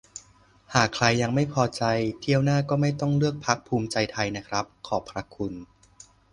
"หากใครยังไม่พอใจ เที่ยวหน้าก็ไม่ต้องเลือกพรรคภูมิใจไทยครับ ขอบพระคุณ"